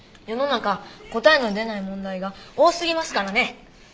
世の中答えの出ない問題が多すぎますからね。